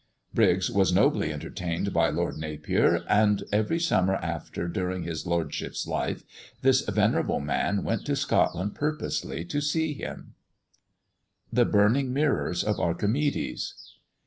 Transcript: '" Briggs was nobly entertained by Lord Napier; and every summer after, during his lordship's life, this venerable man went to Scotland purposely to see him. THE BURNING MIRRORS OF ARCHIMEDES.